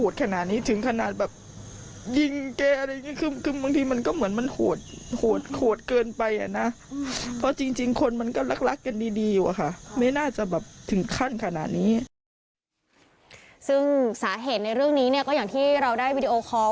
ซึ่งสาเหตุในเรื่องนี้เนี่ยก็อย่างที่เราได้วิดีโอคอล